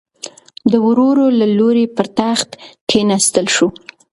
د ورور له لوري پر تخت کېناستل شو.